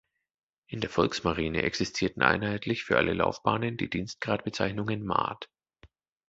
In der Volksmarine existierten einheitlich für alle Laufbahnen die Dienstgradbezeichnungen Maat.